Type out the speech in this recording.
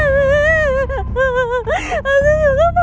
พี่ควรอยู่กลัวไว้